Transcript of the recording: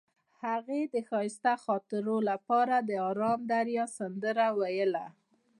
هغې د ښایسته خاطرو لپاره د آرام دریاب سندره ویله.